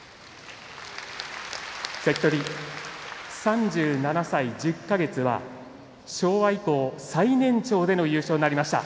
関取、３７歳１０か月は昭和以降最年長での優勝になりました。